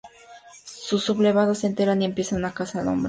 Los sublevados se enteran y empieza una caza del hombre.